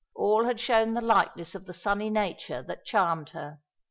All had shown the lightness of the sunny nature that charmed her.